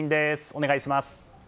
お願いします。